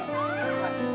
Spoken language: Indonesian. jalan jalan jalan